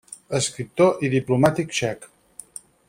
Escriptor i diplomàtic txec.